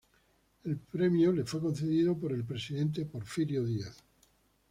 El premio le fue concedido por el presidente Porfirio Díaz.